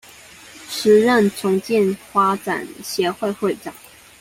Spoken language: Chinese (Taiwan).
時任重建發展協會會長